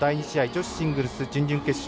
女子シングルス準々決勝